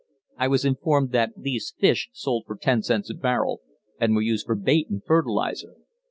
I was informed that these fish sold for ten cents a barrel, and were used for bait and fertiliser.